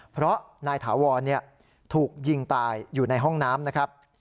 เพราะนายถาวรถูกยิงตายอยู่ในห้องน้ำนะครับ